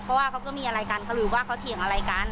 เพราะว่าเขาก็มีอะไรกันก็หรือว่าเขาเถียงอะไรกัน